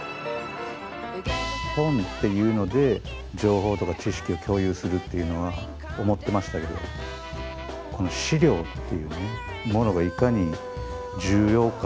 本っていうので情報とか知識を共有するっていうのは思ってましたけどこの資料っていうねものがいかに重要かっていうのも分かりましたね。